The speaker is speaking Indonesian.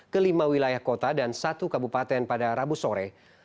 ke lima wilayah kota dan satu kabupaten pada rabu sore